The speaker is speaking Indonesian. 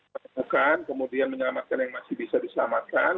menemukan kemudian menyelamatkan yang masih bisa diselamatkan